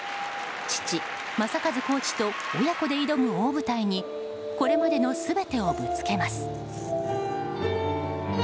父・正和コーチと親子で挑む大舞台にこれまでの全てをぶつけます。